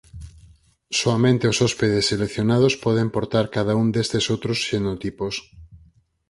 Soamente os hóspedes seleccionados poden portar cada un destes outros xenotipos.